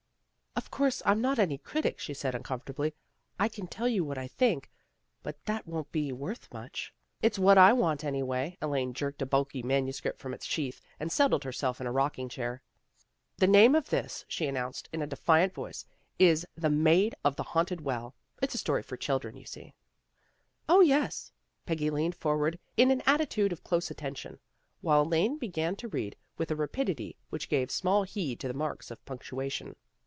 " Of course I'm not any critic," she said uncom fortably. " I can tell you what I think, but that won't be worth much." " It's what I want, anyway." Elaine jerked a bulky manuscript from its sheath and settled herself in a rocking chair. " The name of this," she announced in a defiant voice, " is the ' Maid of the Haunted Well.' It's a story for chil dren, you see." " O, yes." Peggy leaned forward in an atti tude of close attention, while Elaine began to read with a rapidity which gave small heed to the marks of punctuation.